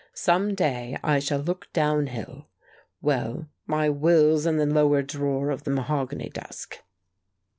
Some day I shall look down hill. Well, my will's in the lower drawer of the mahogany desk."